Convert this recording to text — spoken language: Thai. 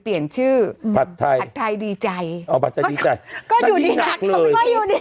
เปลี่ยนชื่อผัดไทน์ผัดไทน์ดีใจพัดไทน์ดีใจก็อยู่ักเลย